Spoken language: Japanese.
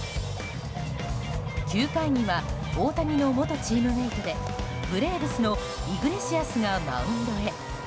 ９回には大谷の元チームメートでブレーブスのイグレシアスがマウンドへ。